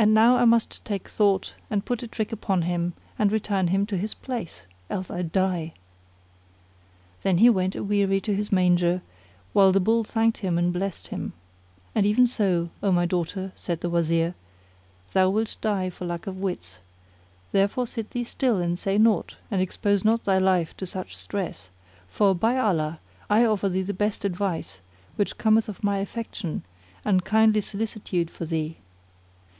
And now I must take thought and put a trick upon him and return him to his place, else I die." Then he went aweary to his manger, while the Bull thanked him and blessed him. And even so, O my daughter, said the Wazir, thou wilt die for lack of wits; therefore sit thee still and say naught and expose not thy life to such stress; for, by Allah, I offer thee the best advice, which cometh of my affection and kindly solicitude for thee."